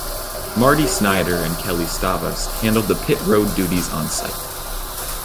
Marty Snider and Kelli Stavast handled the pit road duties on site.